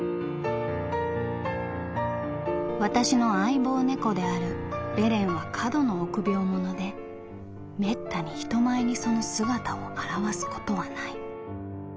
「私の相棒猫であるベレンは過度の臆病者で滅多に人前にその姿を現すことはない。